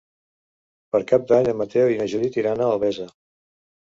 Per Cap d'Any en Mateu i na Judit iran a Albesa.